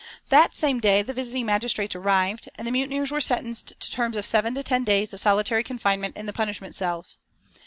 That same day the visiting magistrates arrived, and the mutineers were sentenced to terms of seven to ten days of solitary confinement in the punishment cells.